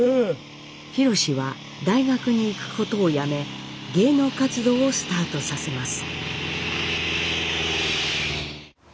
ひろしは大学に行くことをやめ芸能活動をスタートさせます。